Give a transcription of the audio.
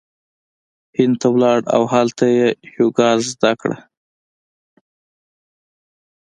هند ته لاړ او هلته یی یوګا زړه کړه